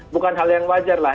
bukan hal yang wajar lah